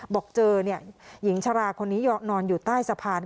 บอกเจอหญิงชราคนนี้นอนอยู่ใต้สะพาน